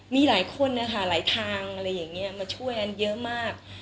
มีหลายคนนะคะหลายทางอะไรอย่างนี้มาช่วยอันเยอะมาก